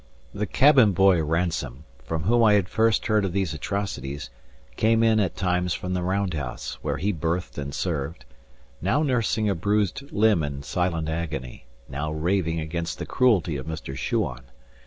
The cabin boy Ransome (from whom I had first heard of these atrocities) came in at times from the round house, where he berthed and served, now nursing a bruised limb in silent agony, now raving against the cruelty of Mr. Shuan.